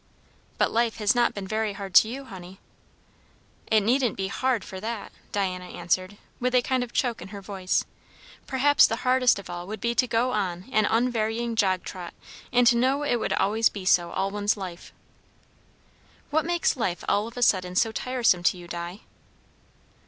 "But life has not been very hard to you, honey." "It needn't be hard for that," Diana answered, with a kind of choke in her voice. "Perhaps the hardest of all would be to go on an unvarying jog trot, and to know it would always be so all one's life." "What makes life all of a sudden so tiresome to you, Di?"